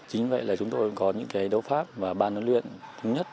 chính vậy là chúng tôi có những đấu pháp và ban đấu luyện thống nhất